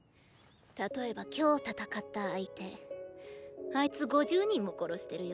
例えば今日戦った相手あいつ５０人も殺してるよ。